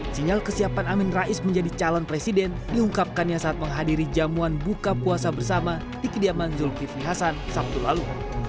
sinyal kesiapan amin rais menjadi calon presiden diungkapkannya saat menghadiri jamuan buka puasa bersama di kediaman zulkifli hasan sabtu lalu